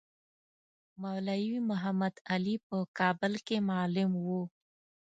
مولوی محمدعلي په کابل کې معلم وو.